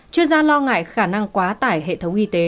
chuyên gia lo ngại khả năng quá tải hệ thống y tế